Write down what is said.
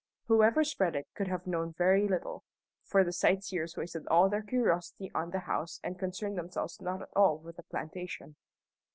Whoever spread it could have known very little, for the sightseers wasted all their curiosity on the house and concerned themselves not at all with the plantation.